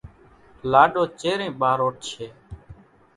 لاڏو چيرين ٻاروٺشيَ۔